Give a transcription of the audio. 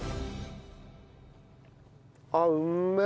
あっうめえ！